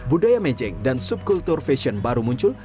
budaya mejeng dan subkultur fashion baru muncul